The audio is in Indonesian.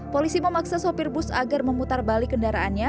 polisi memaksa sopir bus agar memutar balik kendaraannya